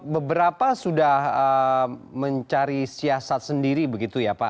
beberapa sudah mencari siasat sendiri begitu ya pak